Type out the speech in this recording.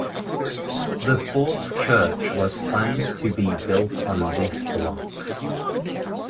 The fourth church was planned to be built on this block.